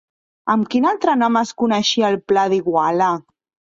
Amb quin altre nom es coneixia el Pla d'Iguala?